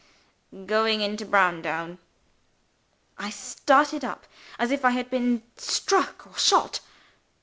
"Going into Browndown." I started up, as if I had been struck or shot.